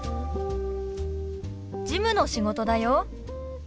事務の仕事だよ。